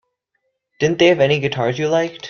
Didn't they have any guitars you liked?